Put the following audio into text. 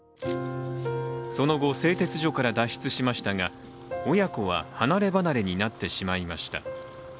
その後、製鉄所から脱出しましたが親子は離れ離れになってしまいました。